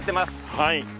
はい。